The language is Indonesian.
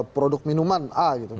produk minuman a gitu